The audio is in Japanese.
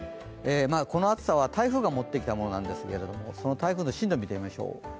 この暑さは台風が持ってきたものなんですけどその台風の進路を見てみましょう。